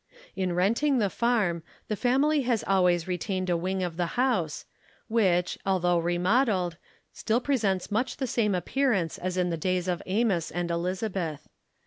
In renting the farm, the family has always retained a wing of the house, which, although remodeled, still presents much the same appearance as in the days of Amos and Elizabeth.